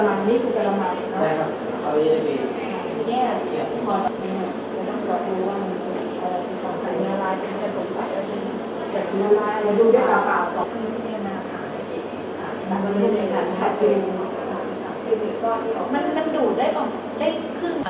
มันดูดได้ออกได้ครึ่ง